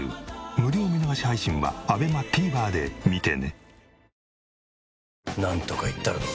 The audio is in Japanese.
無料見逃し配信はＡＢＥＭＡＴＶｅｒで見てね。